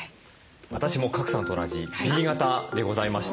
私も賀来さんと同じＢ型でございました。